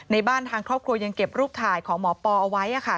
บ้านทางครอบครัวยังเก็บรูปถ่ายของหมอปอเอาไว้ค่ะ